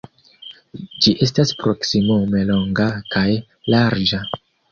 Ĝi estas proksimume longa kaj larĝa.